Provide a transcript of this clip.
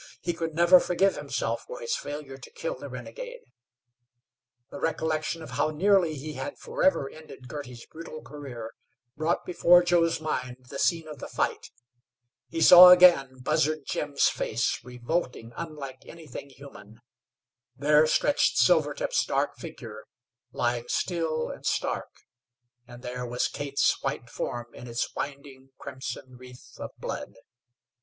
He could never forgive himself for his failure to kill the renegade. The recollection of how nearly he had forever ended Girty's brutal career brought before Joe's mind the scene of the fight. He saw again Buzzard Jim's face, revolting, unlike anything human. There stretched Silvertip's dark figure, lying still and stark, and there was Kate's white form in its winding, crimson wreath of blood.